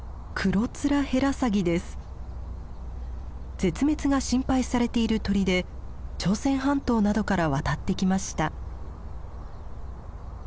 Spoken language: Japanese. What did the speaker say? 絶滅が心配されている鳥で朝鮮半島などから渡ってきました。